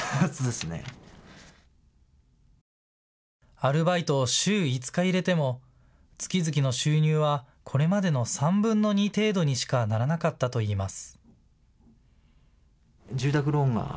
アルバイトを週５日入れても月々の収入はこれまでの３分の２程度にしかならなかったといいます。